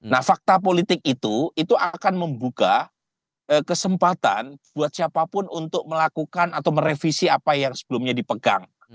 nah fakta politik itu itu akan membuka kesempatan buat siapapun untuk melakukan atau merevisi apa yang sebelumnya dipegang